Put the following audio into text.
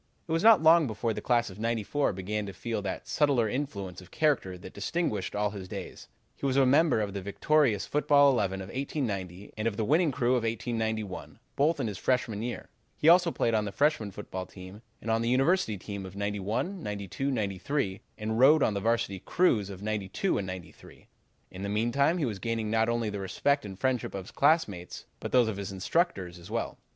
"It was not long before the class of '94 began to feel that subtler influence of character that distinguished all his days. He was a member of the victorious football eleven of 1890, and of the winning crew of 1891, both in his freshman year. He also played on the freshman football team and on the university team of '91, '92, '93, and rowed on the Varsity crews of '92 and '93. In the meantime he was gaining not only the respect and friendship of his classmates, but those of the instructors as well.